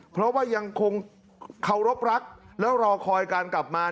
เพราะว่ายังคงเคารพรักแล้วรอคอยการกลับมา